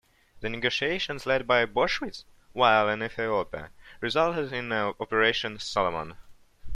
The negotiations led by Boschwitz while in Ethiopia resulted in Operation Solomon.